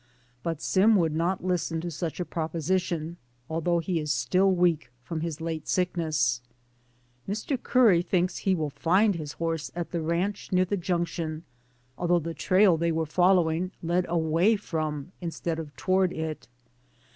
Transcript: But Sim would not listen to such a proposition, although he is still weak from his late sickness. Mr. Curry thinks he will find his horse at the ranch near the junction, although the trail they were following led away from, instead of toward it.